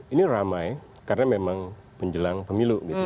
ini ramai karena memang menjelang pemilu gitu